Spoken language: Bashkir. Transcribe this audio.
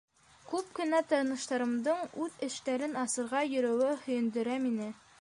Күп кенә таныштарымдың үҙ эштәрен асырға йөрөүе һөйөндөрә мине.